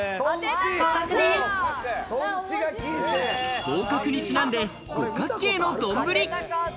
合格にちなんで五角形の丼。